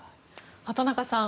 畑中さん